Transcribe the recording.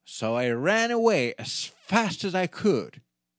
so I ran away as fast as I could."